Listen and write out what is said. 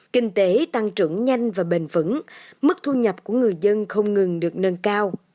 kinh tế tăng trưởng nhanh và bền vững mức thu nhập của người dân không ngừng được nâng cao